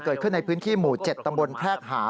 เกิดขึ้นในพื้นที่หมู่๗ตำบลแพรกหา